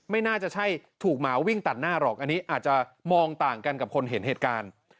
ไม่น่าจะใช่ถูกหมาวิ่งตัดหน้าหรอกอันนี้อาจจะมองต่างกันกับคนเห็นเหตุการณ์